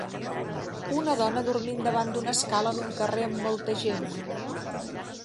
Una dona dormint davant d'una escala en un carrer amb molta gent.